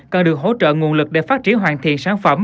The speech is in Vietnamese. cần được hỗ trợ nguồn lực để phát triển hoàn thiện sản phẩm